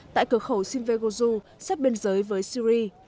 tại cửa khẩu sinvergozu xét biên giới với syri